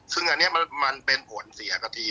ซึ่งอันนี้มันเป็นผลเสียกับทีม